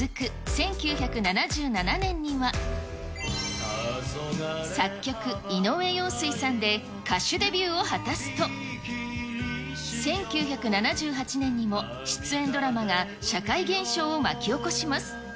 １９７７年には、作曲、井上陽水さんで歌手デビューを果たすと、１９７８年にも、出演ドラマが社会現象を巻き起こします。